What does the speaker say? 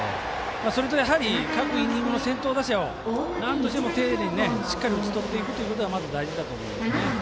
それと、各イニングの先頭打者を丁寧にしっかり打ち取っていくことがまず大事だと思いますね。